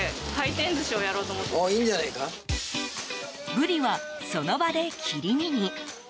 ブリは、その場で切り身に。